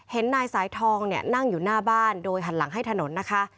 นายสายทองเนี่ยนั่งอยู่หน้าบ้านโดยหันหลังให้ถนนนะคะ